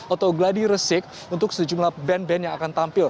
atau gladi resik untuk sejumlah band band yang akan tampil